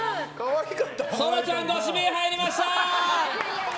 そらちゃんご指名入りました！